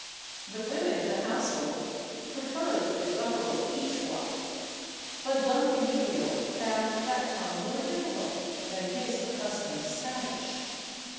The women of the household preferred the guttural Quichua, but Don Emilio found that tongue more difficult than his accustomed Spanish.